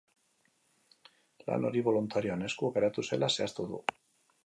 Lan hori boluntarioen esku geratu zela zehaztu du.